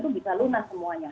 itu bisa lunas semuanya